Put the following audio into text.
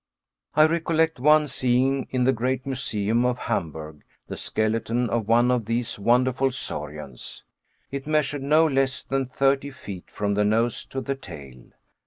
I recollect once seeing in the great Museum of Hamburg the skeleton of one of these wonderful saurians. It measured no less than thirty feet from the nose to the tail.